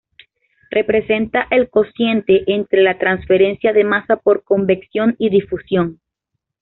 Representa el cociente entre la transferencia de masa por convección y difusión.